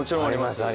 入ります！